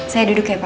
saya duduk ya pa